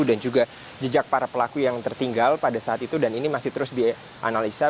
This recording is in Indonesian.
dan juga jejak para pelaku yang tertinggal pada saat itu dan ini masih terus dianalisa